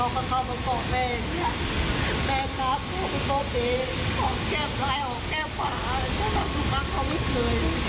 แม่ก็ทำทุกครั้งเขาไม่เคย